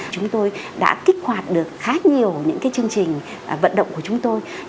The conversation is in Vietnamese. chúng tôi đã kích hoạt được khá nhiều những cái chương trình tài khoản bốn số minh bạch như thế này